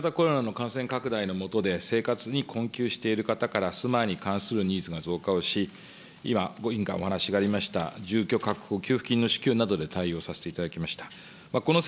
新型コロナの感染拡大の下で、生活に困窮している方から住まいに関するニーズが増加をし、今、委員からお話がありました、住居確保給付金の支給などで対応させていただきました。